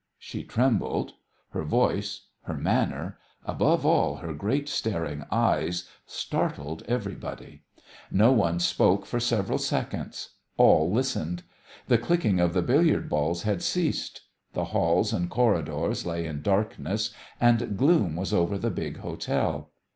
She trembled. Her voice, her manner, above all her great staring eyes, startled everybody. No one spoke for several seconds; all listened. The clicking of the billiard balls had ceased. The halls and corridors lay in darkness, and gloom was over the big hotel.